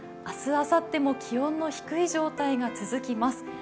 明日、あさっても気温が低い状態が続きます。